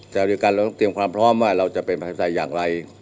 แต่ด้วยกันเราก็ต้องเตรียมความพร้อมว่าเราจะเป็นประชาชิปไทยอย่างไร